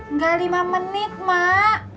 nggak lima menit mak